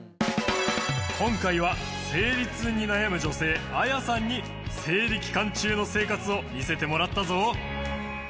今回は生理痛に悩む女性あやさんに生理期間中の生活を見せてもらったぞ。